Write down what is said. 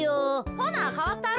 ほなかわったろ。